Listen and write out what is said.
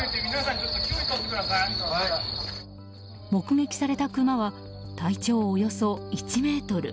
目撃されたクマは体長およそ１ｍ。